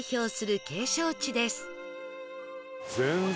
全然。